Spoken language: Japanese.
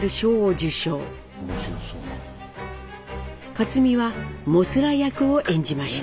克実は「モスラ」役を演じました。